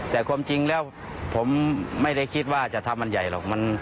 แต่ความจริงแล้วผมไม่ได้คิดว่าจะทำมันใหญ่หรอก